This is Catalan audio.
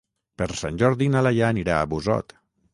Per Sant Jordi na Laia anirà a Busot.